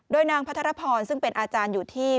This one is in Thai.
โดยนางพัทรพรซึ่งเป็นอาจารย์อยู่ที่